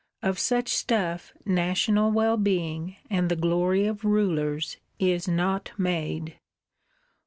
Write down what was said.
Of such stuff national well being, and the glory of rulers, is not made.